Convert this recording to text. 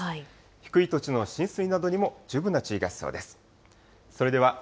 低い土地の浸水などにも十分な注意が必要です。